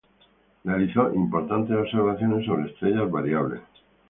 Realizó importantes observaciones sobre estrellas variables.